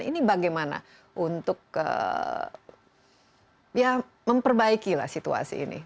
ini bagaimana untuk memperbaikilah situasi ini